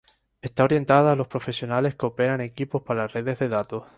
Está orientada a los profesionales que operan equipos para redes de datos.